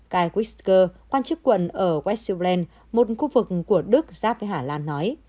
kai wiesker quan chức quận ở west jutland một khu vực của đức giáp với hà lan nói